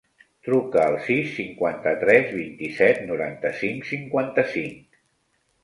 Truca al sis, cinquanta-tres, vint-i-set, noranta-cinc, cinquanta-cinc.